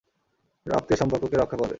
রক্তের সম্পর্ককে রক্ষা করবে।